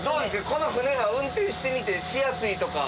この船は運転してみてしやすいとか。